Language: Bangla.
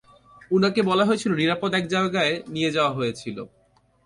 উনাকে বলা হয়েছিল নিরাপদ এক জায়গায় নিয়ে যাওয়া হয়েছিল।